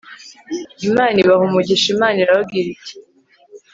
imana ibaha umugisha imana irababwira iti